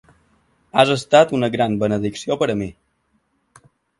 Has estat una gran benedicció per a mi.